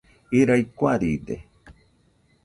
Irai kuaride.